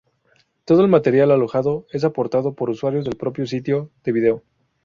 Todo el material alojado es aportado por usuarios del propio sitio de video.